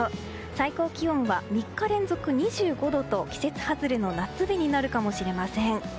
最高気温は３日連続２５度と季節外れの夏日になるかもしれません。